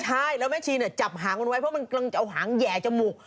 ใช่แล้วแม่ชีจับหางมันไว้เพราะมันกำลังจะเอาหางแห่จมูก